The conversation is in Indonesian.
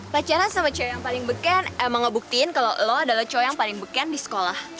pacara sama cewek yang paling beken emang ngebuktiin kalau lo adalah cowok yang paling beken di sekolah